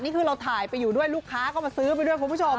นี่คือเราถ่ายไปอยู่ด้วยลูกค้าก็มาซื้อไปด้วยคุณผู้ชม